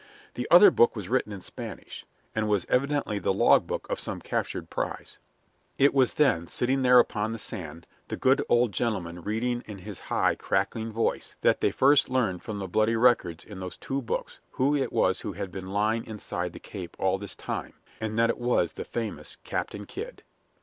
The other book was written in Spanish, and was evidently the log book of some captured prize. It was then, sitting there upon the sand, the good old gentleman reading in his high, cracking voice, that they first learned from the bloody records in those two books who it was who had been lying inside the Cape all this time, and that it was the famous Captain Kidd.